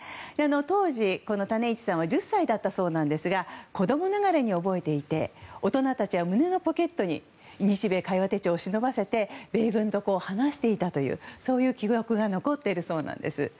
当時、種市さんは１０歳だったそうなんですが子供ながらに覚えていて大人たちは胸のポケットに「日米會話手帳」を忍ばせて米軍と話していたという記憶が残っているそうなんです。